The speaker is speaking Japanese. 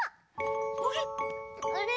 あれ？